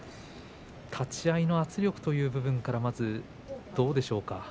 立ち合いの圧力という部分からまず、どうでしょうか。